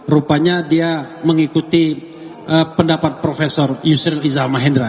rupanya dia mengikuti pendapat prof yusril izal mahendra